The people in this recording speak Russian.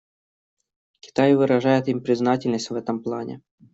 Китай выражает им признательность в этом плане.